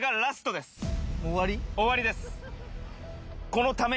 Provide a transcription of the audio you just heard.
終わりです。